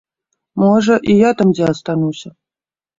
Можа, і я там дзе астануся.